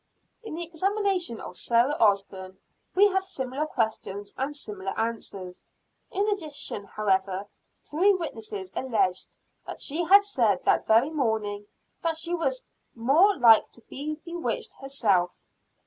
In the examination of Sarah Osburn, we have similar questions and similar answers. In addition, however, three witnesses alleged that she had said that very morning, that she was "more like to be bewitched herself."